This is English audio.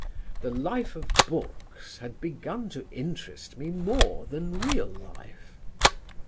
The life of books had begun to interest me more than real life....